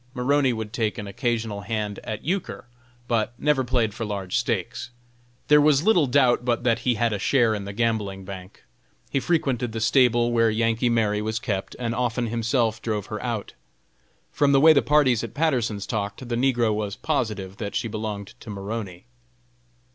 Maroney would take an occasional hand at euchre, but never played for large stakes. There was little doubt but that he had a share in the gambling bank. He frequented the stable where "Yankee Mary" was kept, and often himself drove her out. From the way the parties at Patterson's talked, the negro was positive that she belonged to Maroney.